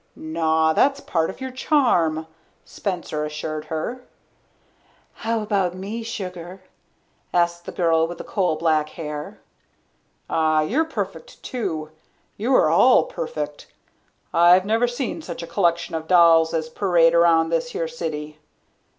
"Naw, that's part of your charm," Spencer assured her. "How 'bout me, sugar," asked the girl with the coal black hair. "Ah, you're perfect, too. You are all perfect. I've never seen such a collection of dolls as parade around this here city.